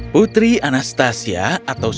putri anastasia atau supriya